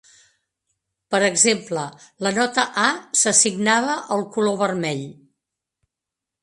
Per exemple, la nota A s'assignava al color vermell.